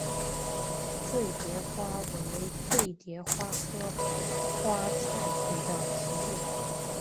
醉蝶花为醉蝶花科白花菜属的植物。